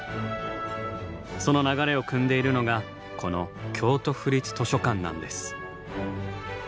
その流れをくんでいるのがこの「京都府立図書館」なんです。